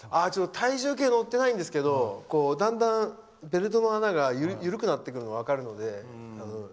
体重計は乗ってないんですけどだんだん、ベルトの穴が緩くなっていくのが分かるので。